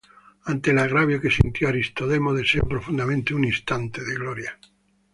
Ante el agravio que sintió, Aristodemo deseó profundamente un instante de gloria.